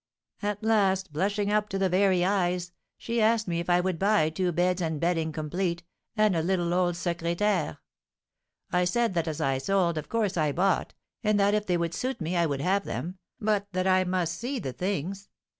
At last, blushing up to the very eyes, she asked me if I would buy two beds and bedding complete, and a little old secrétaire. I said that, as I sold, of course I bought, and that if they would suit me I would have them, but that I must see the things.